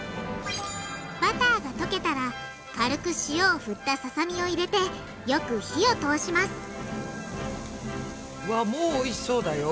バターが溶けたら軽く塩を振ったささみを入れてよく火を通しますわもうおいしそうだよ。